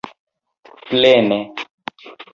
plene